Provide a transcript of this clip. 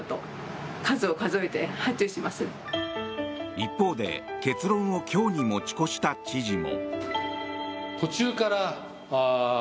一方で、結論を今日に持ち越した知事も。